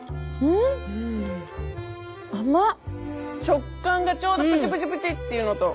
食感がちょうどプチプチプチッていうのと。